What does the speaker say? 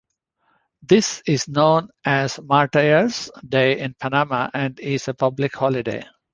This is now known as Martyr's Day in Panama and is a public holiday.